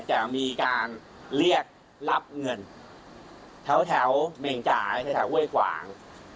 จะมีการเรียกรับเงินแถวเมงจ่ายแถวห้วยขวาง